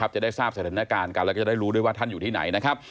จะได้ทราบสถานการณ์กันแล้วก็จะได้รู้ด้วยว่าท่านอยู่ที่ไหนนะครับ